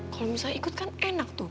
kalau misalnya ikut kan enak tuh